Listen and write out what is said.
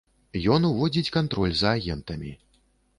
Ён уводзіць кантроль за агентамі.